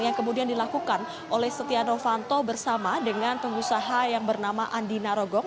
yang kemudian dilakukan oleh setia novanto bersama dengan pengusaha yang bernama andi narogong